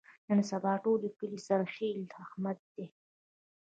نن سبا د ټول کلي سرخیل احمد دی.